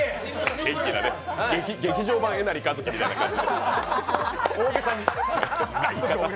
元気な、劇場版えなりかずきみたいな感じ。